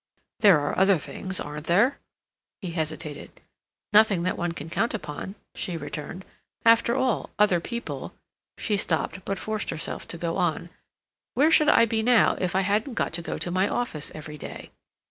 "There are other things, aren't there?" he hesitated. "Nothing that one can count upon," she returned. "After all, other people—" she stopped, but forced herself to go on. "Where should I be now if I hadn't got to go to my office every day?